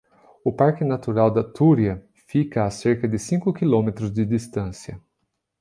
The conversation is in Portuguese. O Parque Natural da Túria fica a cerca de cinco quilómetros de distância.